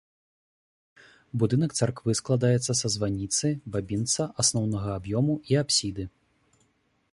Будынак царквы складаецца са званіцы, бабінца, асноўнага аб'ёму і апсіды.